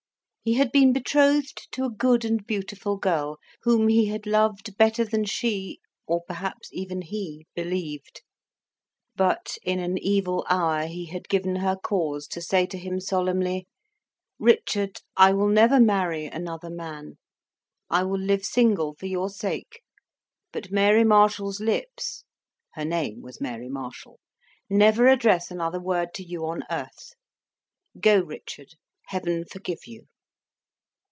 He had been betrothed to a good and beautiful girl, whom he had loved better than she or perhaps even he believed; but in an evil hour he had given her cause to say to him solemnly, "Richard, I will never marry another man. I will live single for your sake, but Mary Marshall's lips" her name was Mary Marshall "never address another word to you on earth. Go, Richard! Heaven forgive you!"